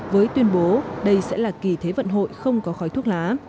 với tuyên bố đây sẽ là kỳ thế vận hội không có khói thuốc lá